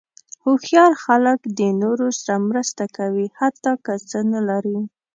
هوښیار خلک د نورو سره مرسته کوي، حتی که څه نه لري.